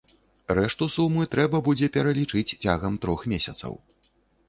Рэшту сумы трэба будзе пералічыць цягам трох месяцаў.